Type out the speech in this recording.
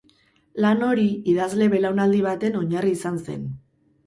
Lan hori idazle-belaunaldi baten oinarri izan zen.